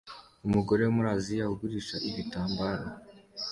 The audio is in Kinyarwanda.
Umugore wo muri Aziya ugurisha ibitambara